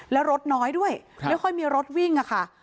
แล้วรถน้อยด้วยไม่ค่อยมีรถวิ่งค่ะ